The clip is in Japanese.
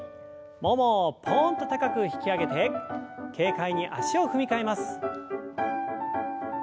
ももをポンと高く引き上げて軽快に足を踏み替えます。